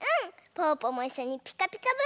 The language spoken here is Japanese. ぽぅぽもいっしょに「ピカピカブ！」